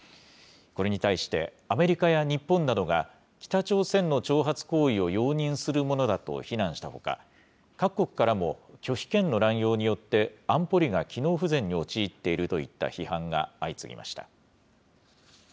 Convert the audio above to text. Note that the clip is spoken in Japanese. これに対して、アメリカや日本などが、北朝鮮の挑発行為を容認するものだと非難したほか、各国からも、拒否権の乱用によって安保理が機能不全に陥っているといった批判が相次ぎました。